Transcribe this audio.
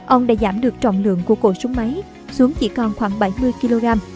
ông đã giảm được trọng lượng của cổ súng máy xuống chỉ còn khoảng bảy mươi kg